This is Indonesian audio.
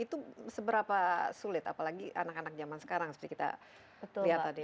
itu seberapa sulit apalagi anak anak zaman sekarang seperti kita lihat tadi